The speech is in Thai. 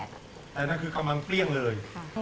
แต่นั่นคือกำลังเปรี้ยงเลย